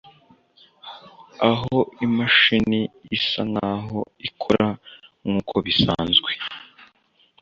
aho imashini isa nkaho ikora nkuko bisanzwe